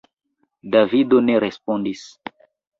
Davido ne respondis.